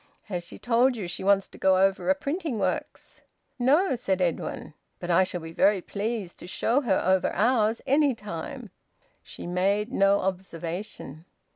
"Has she told you she wants to go over a printing works?" "No," said Edwin. "But I shall be very pleased to show her over ours, any time." She made no observation.